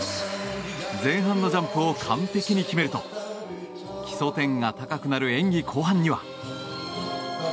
前半のジャンプを完璧に決めると基礎点が高くなる演技後半には。